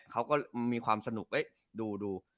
เขาก็มีความสนุกดู